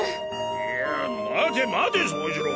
いや待て待て走一郎！